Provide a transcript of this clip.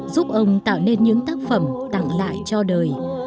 giúp ông tạo nên những tác phẩm tặng lại cho đời